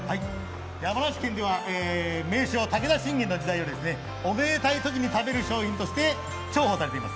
山梨県では名将・武田信玄の時代からおめでたいときに食べる商品として重宝されています。